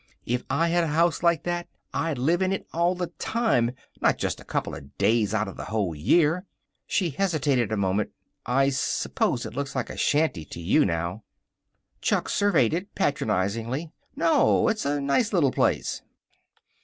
If I had a house like that, I'd live in it all the time, not just a couple of days out of the whole year." She hesitated a moment. "I suppose it looks like a shanty to you now." Chuck surveyed it, patronizingly. "No, it's a nice little place."